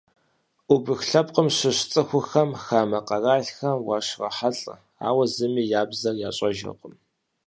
Убых лъэпкъым щыщ цӏыхухэм хамэ къэралхэм уащрохьэлӏэ, ауэ зыми я бзэр ящӏэжыркъым.